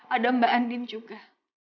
ada mbak andin juga